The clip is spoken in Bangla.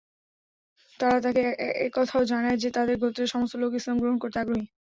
তারা তাকে একথাও জানায় যে, তাদের গোত্রের সমস্ত লোক ইসলাম গ্রহণ করতে আগ্রহী।